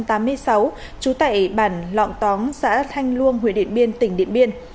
trú tại bản lọng tóng xã thanh luông huyện điện biên tỉnh điện biên